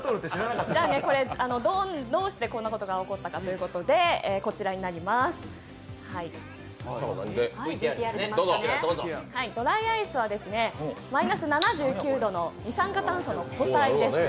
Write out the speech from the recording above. どうしてこんなことが起こったのかということで、ドライアイスはマイナス７９度の二酸化炭素の固体です。